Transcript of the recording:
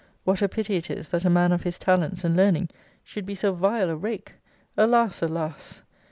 What a pity it is, that a man of his talents and learning should be so vile a rake! Alas! alas!